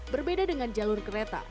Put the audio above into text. berbeda dengan jalur kereta